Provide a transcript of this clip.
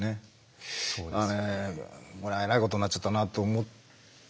これはえらいことになっちゃったなと思って。